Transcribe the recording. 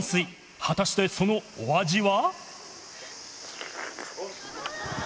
果たしてそのお味は？